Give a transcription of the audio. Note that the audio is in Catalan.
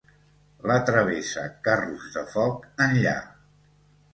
La travessa Carros de Foc enlla